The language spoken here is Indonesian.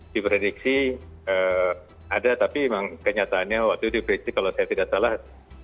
di prediksi ada tapi memang kenyataannya waktu di prediksi kalau saya tidak salah